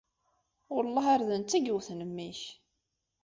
Wellah ar d netta ay yewwten mmi-k!